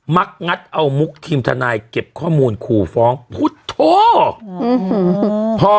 มักงัดเอามุกทีมทนายเก็บข้อมูลขู่ฟ้องพุทธโทษ